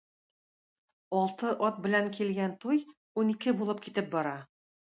Алты ат белән килгән туй унике булып китеп бара.